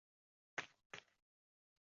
黎巴嫩有一名运动员参加田径比赛。